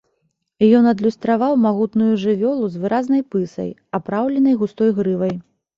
Ён адлюстраваў магутную жывёлу з выразнай пысай, апраўленай густой грывай.